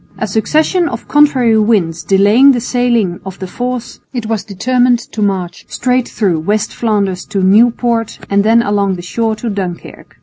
A succession of contrary winds delaying the sailing of the force, it was determined to march straight through West Flanders to Nieuport and then along the shore to Dunkirk.